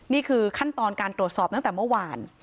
นี่คือขั้นตอนการตรวจสอบตั้งแต่เมื่อวาน